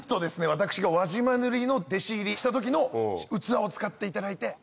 私が輪島塗の弟子入りした時の器を使っていただいて。